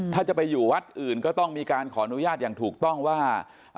ถ้าจะไปอยู่วัดอื่นก็ต้องมีการขออนุญาตอย่างถูกต้องว่า